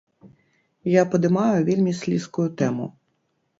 Я падымаю вельмі слізкую тэму.